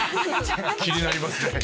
気になりますね。